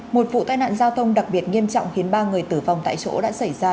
một vụ tai nạn giao thông đặc biệt nghiêm trọng khiến ba người tử vong tại chỗ đã xảy ra